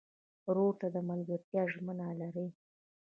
ورور ته د ملګرتیا ژمنه لرې.